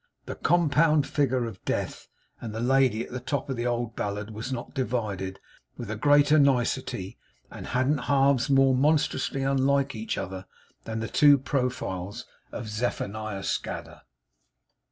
The compound figure of Death and the Lady at the top of the old ballad was not divided with a greater nicety, and hadn't halves more monstrously unlike each other, than the two profiles of Zephaniah Scadder.